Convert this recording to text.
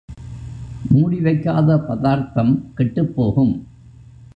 மூடிவைக்காத பதார்த்தம் கெட்டுப் போகும்.